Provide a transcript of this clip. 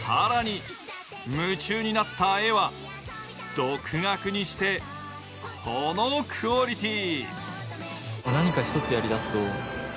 更に、夢中になった絵は独学にしてこのクオリティー。